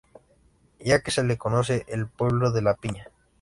Ya que se le conoce el pueblo de la piña.